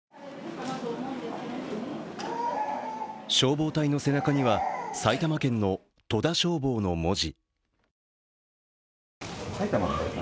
消防隊の背中には、埼玉県の戸田消防の文字。